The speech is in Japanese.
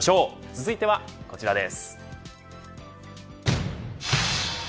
続いてはこちらです。